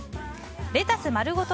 レタス丸ごと